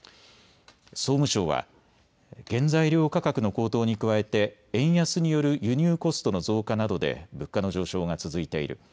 総務省は、原材料価格の高騰に加えて円安による輸入コストの増加などで物価の上昇が続いている。